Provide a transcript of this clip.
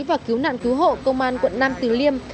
và cứu nạn cứu hộ công an quận nam từ liêm